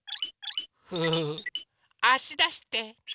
フフフあしだして。